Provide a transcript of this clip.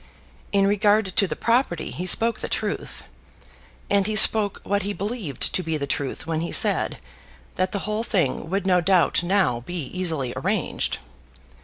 In regard to the property he spoke the truth, and he spoke what he believed to be the truth when he said that the whole thing would no doubt now be easily arranged.